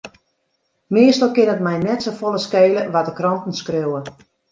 Meastal kin it my net safolle skele wat de kranten skriuwe.